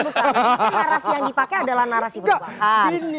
narasi yang dipakai adalah narasi perubahan